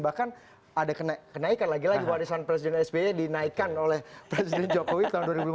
bahkan ada kenaikan lagi lagi warisan presiden sby dinaikkan oleh presiden jokowi tahun dua ribu lima belas